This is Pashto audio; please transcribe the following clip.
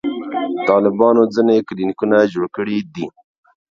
طالبانو ځینې کلینیکونه جوړ کړي دي.